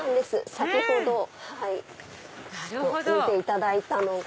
先ほど見ていただいたのが。